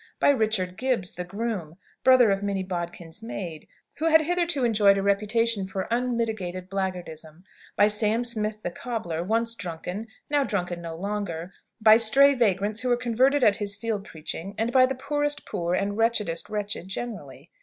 By Richard Gibbs, the groom brother of Minnie Bodkin's maid who had hitherto enjoyed a reputation for unmitigated blackguardism; by Sam Smith, the cobbler, once drunken, now drunken no longer; by stray vagrants who were converted at his field preaching, and by the poorest poor, and wretchedest wretched, generally!